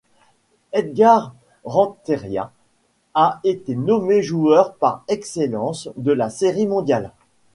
Edgar Rentería a été nommé joueur par excellence de la Série mondiale.